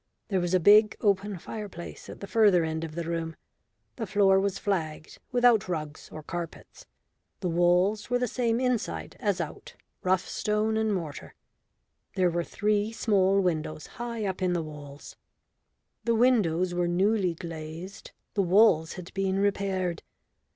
There was a big open fireplace at the further end of the room. The floor was flagged, without rugs or carpets. The walls were the same inside as out, rough stone and mortar; there were three small windows high up in the walls. The windows were newly glazed, the walls had been repaired.